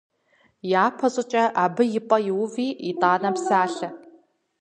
Япэщӏыкӏэ абы и пӏэ иуви итӏанэ псалъэ.